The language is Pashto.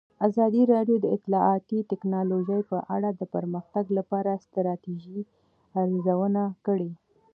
ازادي راډیو د اطلاعاتی تکنالوژي په اړه د پرمختګ لپاره د ستراتیژۍ ارزونه کړې.